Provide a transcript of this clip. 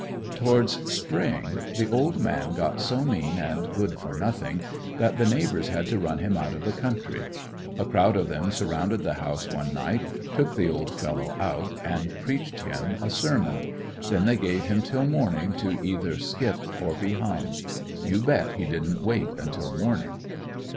Towards spring the "old man" got so mean and good for nothing that the neighbors had to run him out of the country. A crowd of them surrounded the house one night, took the old fellow out and preached him a sermon; then they gave him until morning to either skip or be hung. You bet he didn't wait until morning.